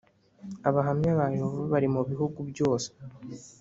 Abahamya ba Yehova bari mu bihugu byose